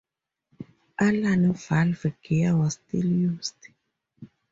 Allan valve gear was still used.